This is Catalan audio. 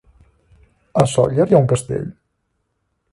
A Sóller hi ha un castell?